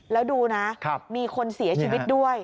แล้วดูนะมีคนเสียชีวิตด้วย